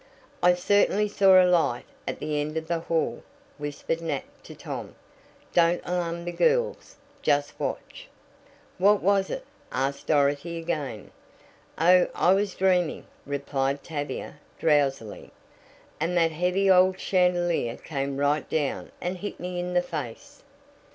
"I certainly saw a light at the end of the hall," whispered Nat to Tom. "Don't alarm the girls just watch." "What was it?" asked Dorothy again. "Oh, I was dreaming," replied Tavia drowsily, "and that heavy old chandelier came right down and hit me in the face."